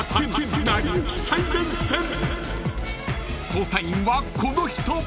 ［捜査員はこの人］